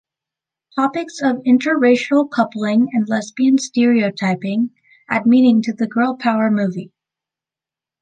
Topics of interracial coupling and lesbian stereotyping add meaning to the girl power movie.